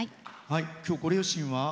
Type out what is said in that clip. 今日、ご両親は？